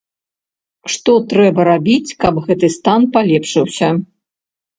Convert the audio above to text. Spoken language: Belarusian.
Што трэба рабіць, каб гэты стан палепшыўся?